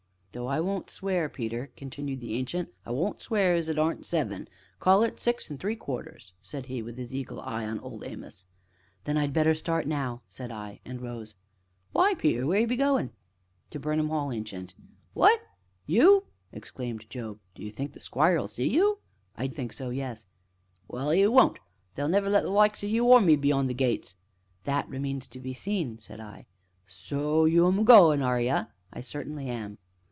"Though I won't swear, Peter," continued the Ancient, "I won't swear as it aren't seven call it six an' three quarters!" said he, with his eagle eye on Old Amos. "Then I had better start now," said I, and rose. "Why, Peter wheer be goin'?" "To Burnham Hall, Ancient." "What you?" exclaimed Job; "d'ye think Squire'll see you?" "I think so; yes." "Well, 'e won't they'll never let the likes o' you or me beyond the gates." "That remains to be seen," said I. "So you 'm goin', are ye?" "I certainly am."